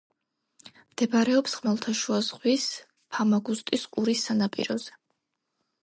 მდებარეობს ხმელთაშუა ზღვის ფამაგუსტის ყურის სანაპიროზე.